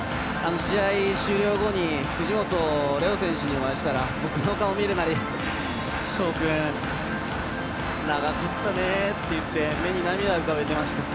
試合終了後に藤本怜央選手にお会いしたら僕の顔見るなり、翔君長かったねって言って目に涙を浮かべていました。